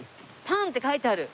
パンって書いてある！